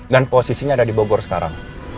dan posisinya ada di bogor sekarang